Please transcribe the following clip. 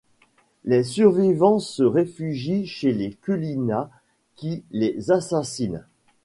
Les survivants se réfugient chez les Culinas qui les assassinent.